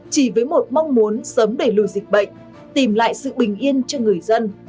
chỉ với một mong muốn sớm đẩy lùi dịch bệnh tìm lại sự bình yên cho người dân